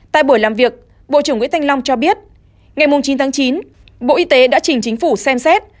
tại buổi làm việc bộ trưởng nguyễn thanh long cho biết ngày chín tháng chín bộ y tế đã chỉnh chính phủ xem xét